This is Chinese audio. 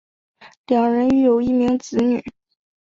两人育有一名子女。